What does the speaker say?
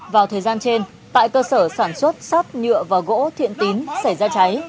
vào thời gian trên tại cơ sở sản xuất sắt nhựa và gỗ thiện tín xảy ra cháy